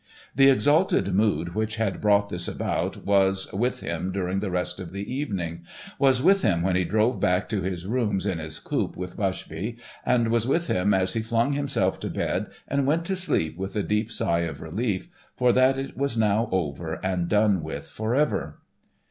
The exalted mood which had brought this about, was with him during the rest of the evening, was with him when he drove back to his rooms in his coupe with Bushby, and was with him as he flung himself to bed and went to sleep with a deep sigh of relief for that it was now over and done with forever.